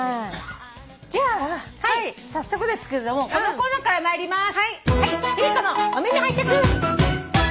じゃあ早速ですけれどもこのコーナーから参ります。